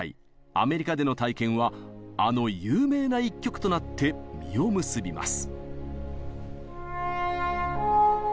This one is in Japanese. アメリカでの体験はあの有名な一曲となって実を結びます。